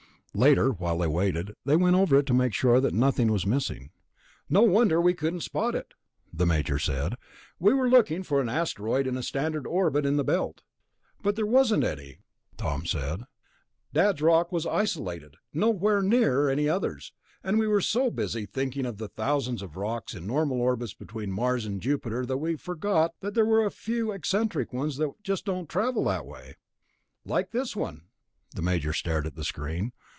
Later, while they waited, they went over it to make sure that nothing was missing. "No wonder we couldn't spot it," the Major said. "We were looking for an asteroid in a standard orbit in the Belt." "But there wasn't any," Tom said. "Dad's rock was isolated, nowhere near any others. And we were so busy thinking of the thousands of rocks in normal orbits between Mars and Jupiter that we forgot that there are a few eccentric ones that just don't travel that way." "Like this one." The Major stared at the screen.